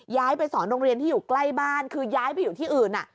ย้ายไปสอนโรงเรียนที่อยู่ใกล้บ้านคือย้ายไปอยู่ที่อื่น